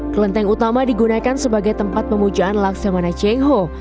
kelenteng utama digunakan sebagai tempat pemujaan laksamana cheng ho